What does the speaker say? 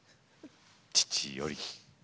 父より。